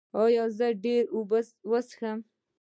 ایا زه ډیرې اوبه وڅښم؟